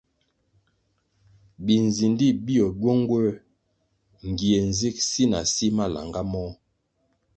Binzindi bio gywenguer ngie zig si na si malanga môh.